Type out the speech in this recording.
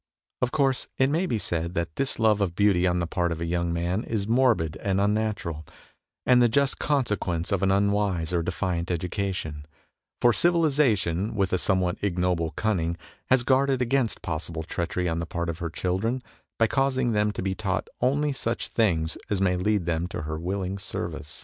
Of course it may be said that this love of beauty on the part of a young man is morbid and unnatural, and the just conse quence of an unwise or defiant education, for civilization, with a somewhat ignoble cunning, has guarded against possible treachery on the part of her children, by causing them to be taught only such things as may lead them to her willing service.